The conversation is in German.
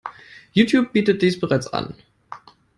Youtube bietet dies bereits an.